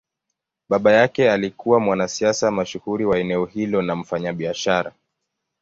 Baba yake alikuwa mwanasiasa mashuhuri wa eneo hilo na mfanyabiashara.